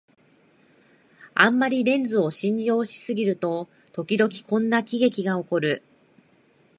あんまりレンズを信用しすぎると、ときどきこんな喜劇がおこる